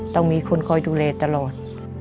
ต้องมีคนคอยดูแลตลอด